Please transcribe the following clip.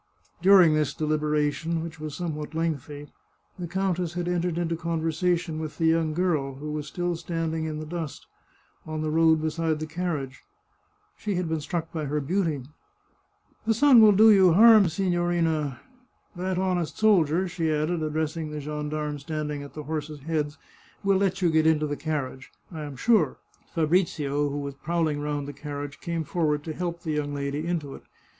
During this deliberation, which was somewhat lengthy, the countess had entered into conversation with the young girl, who was still standing in the dust, on the road beside the carriage. She had been struck by her beauty. " The sun will do you harm, signorina. That honest soldier," she added, addressing the gendarme standing at the horses' heads, " will let you get into the carriage, I am sure !" Fabrizio, who was prowling round the carriage, 83 The Chartreuse of Parma came forward to help the young lady into it.